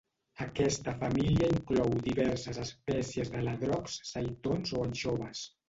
Aquesta família inclou diverses espècies d'aladrocs, seitons o anxoves.